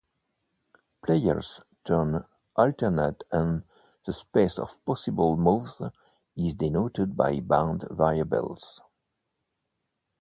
Players' turns alternate and the space of possible moves is denoted by bound variables.